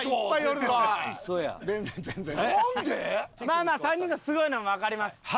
まあまあ３人がすごいのもわかります。